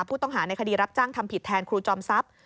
ผู้ต้องหาในคดีรับจ้างทำผิดแทนครูจอมทรัพย์